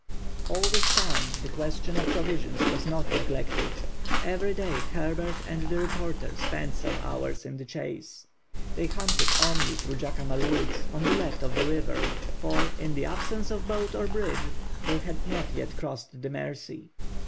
All this time, the question of provisions was not neglected. Every day Herbert and the reporter spent some hours in the chase. They hunted only through Jacamar Woods, on the left of the river, for, in the absence of boat or bridge, they had not yet crossed the Mercy.